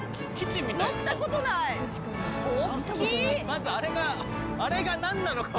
まずあれが何なのか。